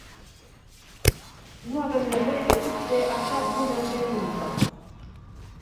Nu avem nevoie decât de acea bună-credință.